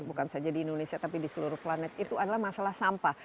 bukan saja di indonesia tapi di seluruh planet itu adalah masalah sampah